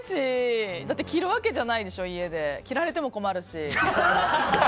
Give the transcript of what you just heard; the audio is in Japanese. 家で着るわけじゃないでしょ？着られても困るし。